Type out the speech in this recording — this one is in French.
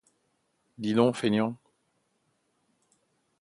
Dis donc, feignant !